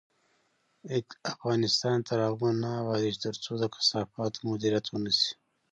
افغانستان تر هغو نه ابادیږي، ترڅو د کثافاتو مدیریت ونشي.